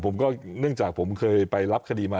เนื่องจากผมเคยไปรับคดีมา